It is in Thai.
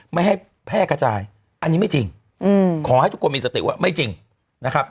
ไม่ให้แพร่กระจายอันนี้ไม่จริงขอให้ทุกคนมีสติว่าไม่จริงนะครับ